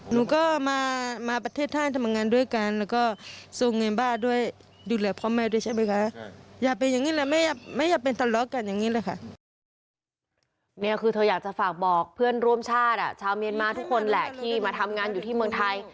นี่คือเธออยากจะฝากบอกเพื่อนร่วมชาติชาวเมียนมาทุกคนแหละที่มาทำงานอยู่ที่เมืองไทย